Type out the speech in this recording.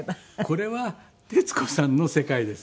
これは徹子さんの世界ですね。